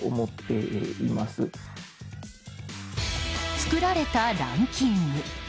作られたランキング。